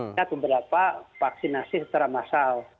saya lihat beberapa vaksinasi secara massal